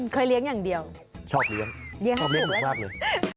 เคยเลี้ยงอย่างเดียวชอบเลี้ยงชอบเลี้ยหมูมากเลย